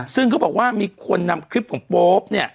ซึ่งเขาบอกว่ามีคนนำคลิปของโป๊ปเนี่ย